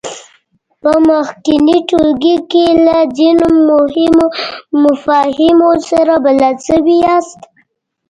په مخکېني ټولګي کې له ځینو مهمو مفاهیمو سره بلد شوي یاست.